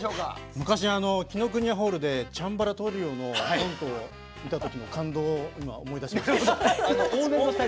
昔、紀伊国屋ホールでチャンバラトリオのコントを見たときの感動を思い出しました。